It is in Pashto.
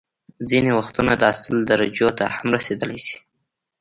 ځینې وختونه دا سل درجو ته هم رسيدلی شي